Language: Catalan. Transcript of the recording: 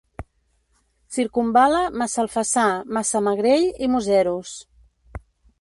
Circumval·la Massalfassar, Massamagrell i Museros.